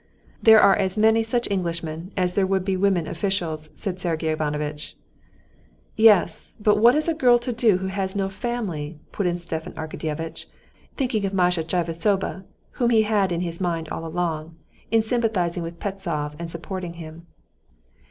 "There are as many such Englishmen as there would be women officials," said Sergey Ivanovitch. "Yes, but what is a girl to do who has no family?" put in Stepan Arkadyevitch, thinking of Masha Tchibisova, whom he had had in his mind all along, in sympathizing with Pestsov and supporting him.